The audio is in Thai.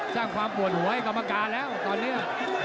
สร้างความปวดหัวให้กรรมการแล้วตอนนี้